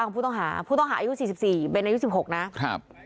ผู้ต้องหาอายุ๔๔เบนอายุ๑๖นะ